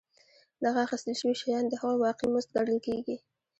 دغه اخیستل شوي شیان د هغوی واقعي مزد ګڼل کېږي